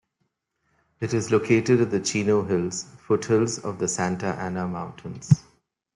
It is located in the Chino Hills, foothills of the Santa Ana Mountains.